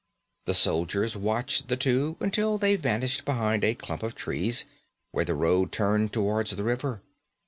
The soldiers watched the two until they vanished behind a clump of trees where the road turned towards the river.